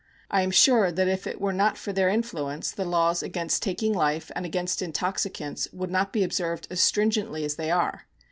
I am sure that if it were not for their influence the laws against taking life and against intoxicants would not be observed as stringently as they are.